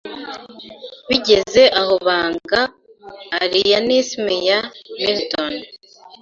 bigeze aho banga Arianism ya Milton